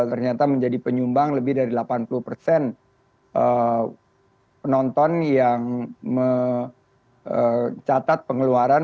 ternyata menjadi penyumbang lebih dari delapan puluh persen penonton yang mencatat pengeluaran